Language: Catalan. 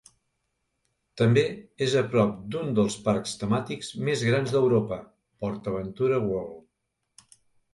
També és a prop d'un dels parcs temàtics més grans d'Europa, PortAventura World.